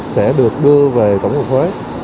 sẽ được đưa về tổng hợp thuế